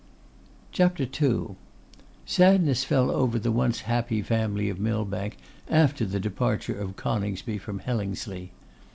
CHAPTER II. Sadness fell over the once happy family of Millbank after the departure of Coningsby from Hellingsley.